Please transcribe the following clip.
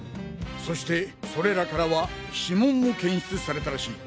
そしてそれらからは指紋も検出されたらしい。